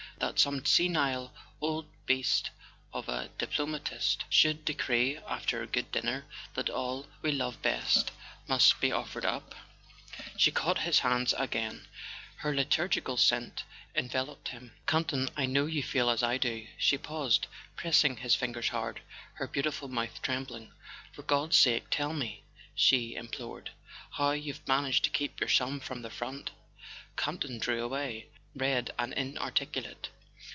That some senile old beast of a diplomatist should decree, after a good dinner, that all we love best must be offered up ?" She caught his hands again, her liturgical scent en¬ veloping him. "Campton, I know you feel as I do." She paused, pressing his fingers hard, her beautiful mouth trembling. "For God's sake tell me," she im¬ plored, "how you've managed to keep your son from the front! " Campton drew away, red and inarticulate.